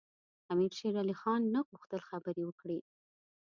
امیر شېرعلي خان نه غوښتل خبرې وکړي.